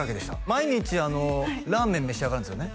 毎日ラーメン召し上がるんですよね？